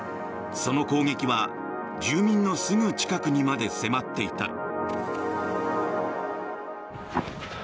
その攻撃は住民のすぐ近くにまで迫っていた。